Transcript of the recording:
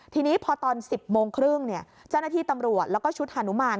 ทีนี้พอตอน๑๐โมงครึ่งเจ้าหน้าที่ตำรวจแล้วก็ชุดฮานุมาน